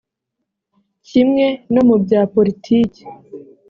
kimwe no mu bya politiki